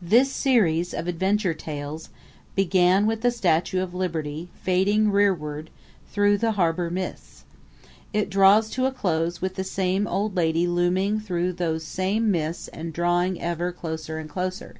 This series of adventure tales began with the Statue of Liberty fading rearward through the harbor mists. It draws to a close with the same old lady looming through those same mists and drawing ever closer and closer.